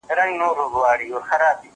زه بايد بوټونه پاک کړم،